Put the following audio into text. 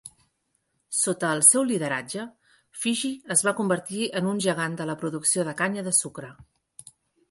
Sota el seu lideratge, Fiji es va convertir en un gegant de la producció de canya de sucre.